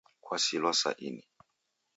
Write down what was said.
Kwasilwa sa ini